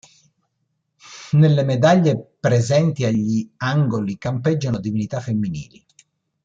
Nelle medaglie presenti agli angoli campeggiano divinità femminili.